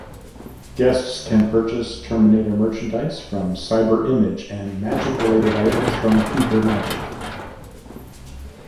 Guests can purchase Terminator merchandise from "Cyber Image" and magic-related items from "Theatre Magic".